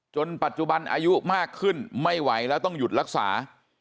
ปัจจุบันอายุมากขึ้นไม่ไหวแล้วต้องหยุดรักษา